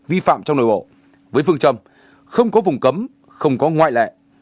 vi phạm trong nội bộ với phương châm không có vùng cấm không có ngoại lệ